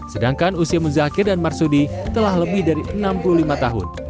sedangkan usia muzakir dan marsudi telah lebih dari enam puluh lima tahun